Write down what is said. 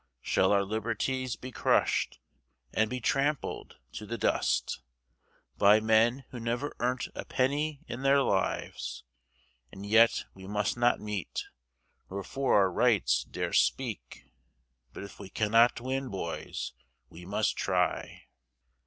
Shall our liberties be crushed. And be trampled to the dust, By men who never earnt a penny in their lives? And yet we must not meet, Nor for our rights dare speak, But if we cannot win, boys, we must try!